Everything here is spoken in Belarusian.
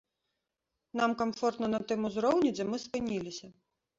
Нам камфортна на тым узроўні, дзе мы спыніліся.